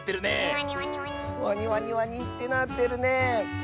「ワニワニワニ」ってなってるね！